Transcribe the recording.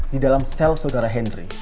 di dalam sel saudara henry